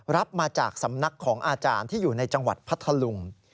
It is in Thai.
รับมาจากสำนักของอาจารย์ที่อยู่ในจังหวัดพัทธลุง